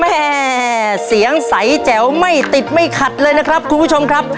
แม่เสียงใสแจ๋วไม่ติดไม่ขัดเลยนะครับคุณผู้ชมครับ